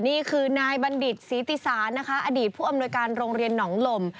นายบันดิษฐศรี่ศัตริย์นะคะอดีตผู้อำนวยการโรงเรียนนำลม